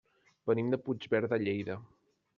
Venim de Puigverd de Lleida.